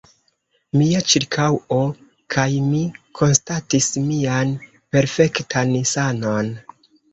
Mia ĉirkaŭo kaj mi konstatis mian perfektan sanon.